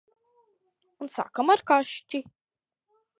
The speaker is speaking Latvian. Un sākam ar kašķi.